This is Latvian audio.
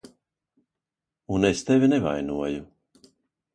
Un es tevi nevainoju.